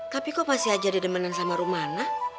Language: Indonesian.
tapi kok masih aja didemenin sama rumana